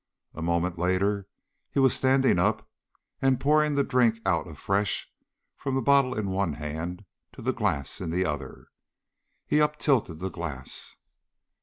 A moment later he was standing up and pouring the drink out afresh, from the bottle in one hand to the glass in the other. He up tilted the glass.